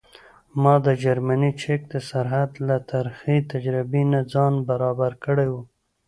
ما د جرمني چک د سرحد له ترخې تجربې نه ځان برابر کړی و.